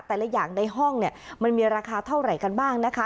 แต่ละอย่างในห้องเนี่ยมันมีราคาเท่าไหร่กันบ้างนะคะ